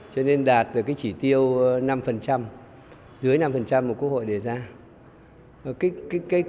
cho nên đạt được chỉ tiêu năm dưới năm của quốc hội đề ra